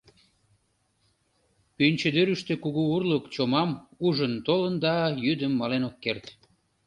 Пӱнчыдӱрыштӧ кугу урлык чомам ужын толын да, йӱдым мален ок керт...